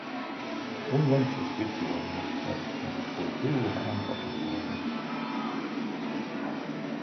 Onlangs is dit door nog als een voorbeeldige aanpak omschreven.